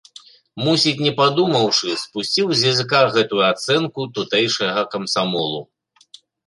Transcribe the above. Мусіць, не падумаўшы, спусціў з языка гэту ацэнку тутэйшага камсамолу.